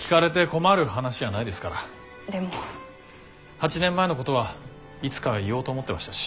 ８年前のことはいつか言おうと思ってましたし。